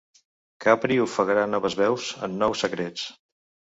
Capri ofegarà noves veus en nous secrets...